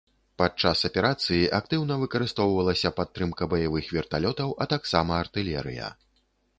Падчас аперацыі актыўна выкарыстоўвалася падтрымка баявых верталётаў, а таксама артылерыя.